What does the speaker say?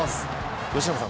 由伸さん